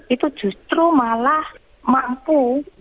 itu justru malah mampu